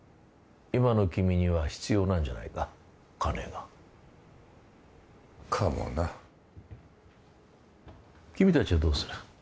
今の君には必要なんじゃないか金がかもな君達はどうする？